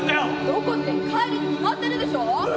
「どこって帰るに決まってるでしょ」。